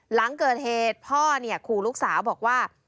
หลังเกิดเหตุพ่อขู่ลูกสาวบอกว่า